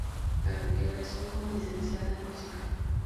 Egresó como licenciada en música.